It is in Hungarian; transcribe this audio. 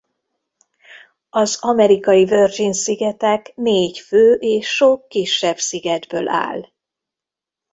Az Amerikai Virgin-szigetek négy fő és sok kisebb szigetből áll.